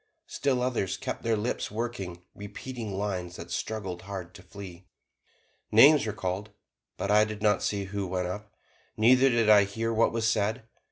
Still others kept their lips working, repeating lines that struggled hard to flee. Names were called, but I did not see who went up, neither did I hear what was said.